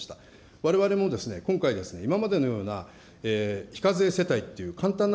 われわれもですね、今回、今までのような非課税世帯という簡単な